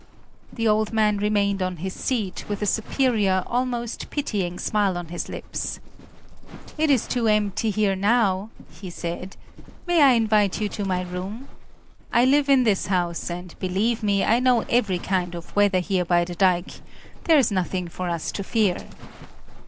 The old man remained on his seat, with a superior, almost pitying smile on his lips. "It is too empty here now," he said; "may I invite you to my room? I live in this house; and believe me, I know every kind of weather here by the dike there is nothing for us to fear."